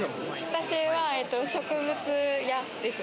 私は植物屋です。